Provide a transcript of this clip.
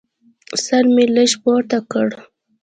سر مې لږ پورته کړ.